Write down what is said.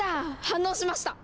反応しました！